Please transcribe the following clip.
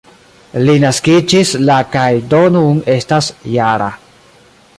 Li naskiĝis la kaj do nun estas -jara.